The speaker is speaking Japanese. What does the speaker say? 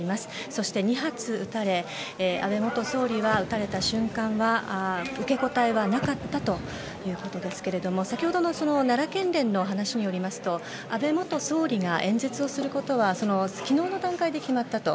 そして２発撃たれ安倍元総理は撃たれた瞬間は受け答えはなかったということですけれども先ほどの奈良県連の話によりますと安倍元総理が演説をすることは昨日の段階で決まったと。